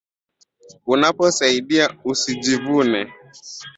Unapo saidia usi jivune